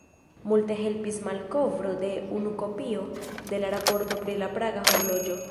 Multe helpis malkovro de unu kopio de la Raporto pri la Praga horloĝo.